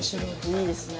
いいですね。